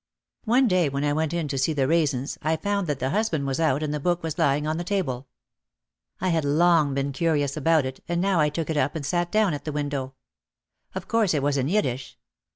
One day when I went in to see the Raisens I found that the husband was out and the book was lying on the table. I had long been curious about it and now I took it up and sat down at the window. Of course it was in Yiddish.